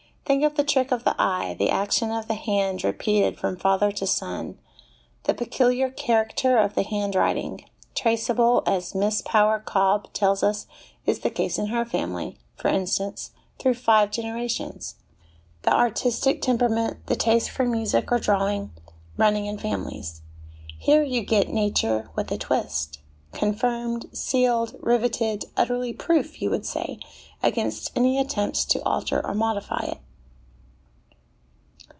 Think of the trick of the eye, the action of the hand, repeated from father to son ; the peculiar character of the handwriting, traceable, as Miss Power Cobbe tells us is the case in her family, for instance, through five generations; the artistic temperament, the taste for music or drawing, running in families: here you get Nature with a twist, con firmed, sealed, riveted, utterly proof, you would say, against any attempt to alter or modify it.